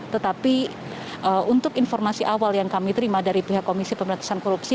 tetapi untuk informasi awal yang kami terima dari pihak komisi pemerintahan korupsi